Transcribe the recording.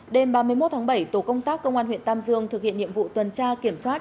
đêm ba mươi một tháng bảy tổ công tác công an huyện tam dương thực hiện nhiệm vụ tuần tra kiểm soát